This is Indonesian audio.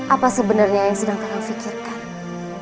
apa sebenarnya yang sedang kadang fikirkan